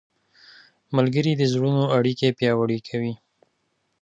ملګري د زړونو اړیکې پیاوړې کوي.